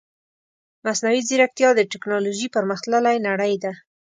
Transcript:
مصنوعي ځيرکتيا د تکنالوژي پرمختللې نړۍ ده .